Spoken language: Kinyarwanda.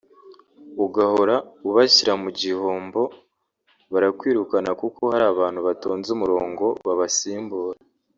ugahora ubashyira mu gihombo barakwirukana kuko hari abantu batonze umurongo babasimbura